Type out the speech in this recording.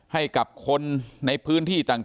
ให้กับคนในพื้นที่ต่าง